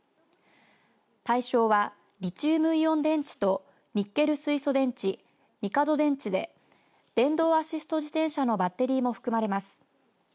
対象は、リチウムイオン電池とニッケル水素電池ニカド電池で電動アシスト自転車のバッテリーも含まれます。